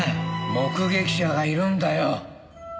目撃者がいるんだよ！